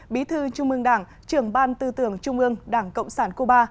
bí thư trung ương đảng trưởng ban tư tưởng trung ương đảng cộng sản cuba